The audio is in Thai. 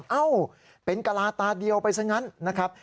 เอ้าเป็นกะลาตาเดียวไปซะงั้นนะครับ